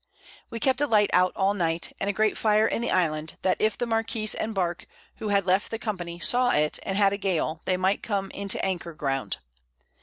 We kept a Light out all Night, and a great Fire in the Island, that if the Marquiss and Bark, who had left Company, saw it, and had a Gale, they might come into Anchor Ground.